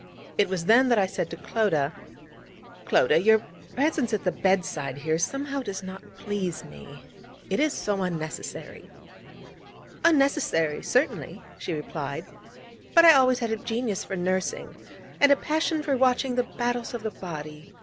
It was then that I said to Clodagh: 'Clodagh, your presence at the bed side here somehow does not please me. It is so unnecessary.' 'Unnecessary certainly,' she replied: 'but I always had a genius for nursing, and a passion for watching the battles of the body.